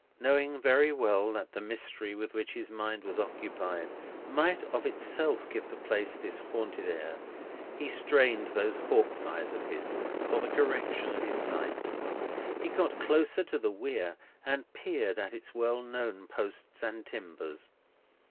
Knowing very well that the mystery with which his mind was occupied, might of itself give the place this haunted air, he strained those hawk's eyes of his for the correction of his sight. He got closer to the Weir, and peered at its well known posts and timbers.